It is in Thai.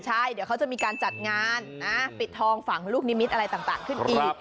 ใช่เดี๋ยวเขาจะมีการจัดงานนะปิดทองฝังลูกนิมิตรอะไรต่างขึ้นอีก